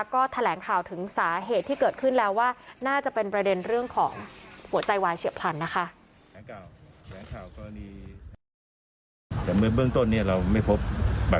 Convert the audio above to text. ก็แถลงข่าวถึงสาเหตุที่เกิดขึ้นแล้วว่าน่าจะเป็นประเด็นเรื่องของหัวใจวายเฉียบพลันนะคะ